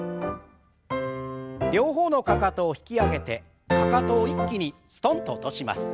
両方のかかとを引き上げてかかとを一気にすとんと落とします。